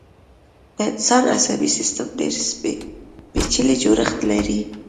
د انسان عصبي سيستم ډېر پيچلی جوړښت لري.